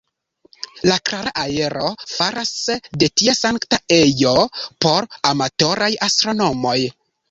La klara aero faras de tie sankta ejo por amatoraj astronomoj.